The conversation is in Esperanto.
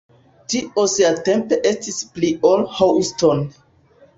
Tio siatempe estis pli ol Houston.